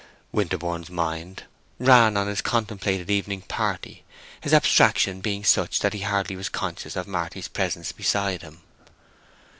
Winterborne's mind ran on his contemplated evening party, his abstraction being such that he hardly was conscious of Marty's presence beside him.